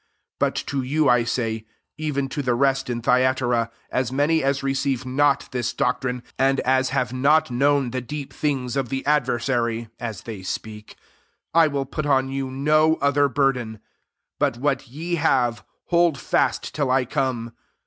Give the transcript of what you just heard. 24 " But to you I say, even to the rest in Thyatira, as many as receive not this doctrine, and as have not known the deep things of the adversary, (as they speak;) I will put on you no other burden. 25 But what ye have, hold fast till I come.